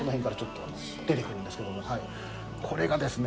これがですね